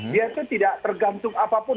dia itu tidak tergantung apapun